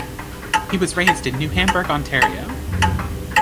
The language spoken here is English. He was raised in New Hamburg, Ontario.